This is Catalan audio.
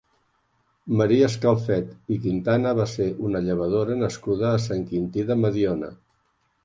Maria Escalfet i Quintana va ser una llevadora nascuda a Sant Quintí de Mediona.